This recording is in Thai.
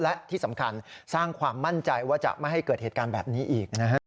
และที่สำคัญสร้างความมั่นใจว่าจะไม่ให้เกิดเหตุการณ์แบบนี้อีกนะฮะ